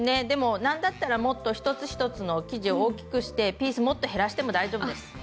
でもなんだったらもっと一つ一つの生地を大きくしてピースもっと減らしても大丈夫です。